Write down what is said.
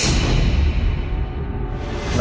ว่าเฮ้ยได้กลิ่นทูบอยู่ในห้อง